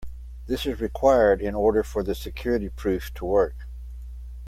This is required in order for the security proof to work.